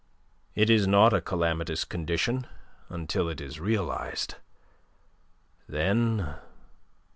It is not a calamitous condition until it is realized. Then..."